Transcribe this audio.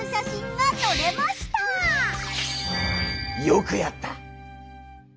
よくやった！